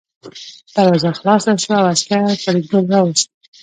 دروازه خلاصه شوه او عسکر فریدګل راوست